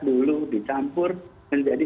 dulu dicampur menjadi